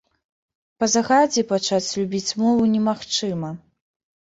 Па загадзе пачаць любіць мову немагчыма.